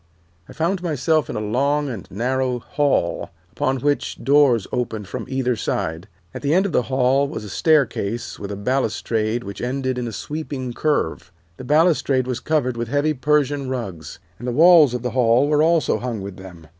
"I found myself in a long and narrow hall, upon which doors opened from either side. At the end of the hall was a staircase with a balustrade which ended in a sweeping curve. The balustrade was covered with heavy Persian rugs, and the walls of the hall were also hung with them.